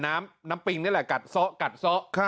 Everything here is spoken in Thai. กราแสน้ำปิงนั่นแหละกัดซะกัดซะ